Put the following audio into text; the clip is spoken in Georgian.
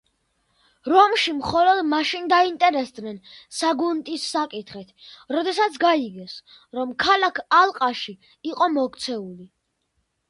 რომში მხოლოდ მაშინ დაინტერესდნენ საგუნტის საკითხით, როდესაც გაიგეს, რომ ქალაქი ალყაში იყო მოქცეული.